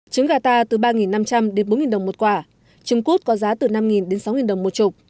trứng gà ta từ ba năm trăm linh đến bốn đồng một quả trứng cút có giá từ năm đến sáu đồng một chục